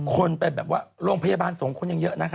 คนไปแบบว่าโรงพยาบาลสงฆ์คนยังเยอะนะคะ